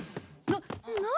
な何？